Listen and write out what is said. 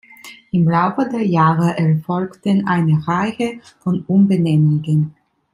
Im Laufe der Jahre erfolgten eine Reihe von Umbenennungen.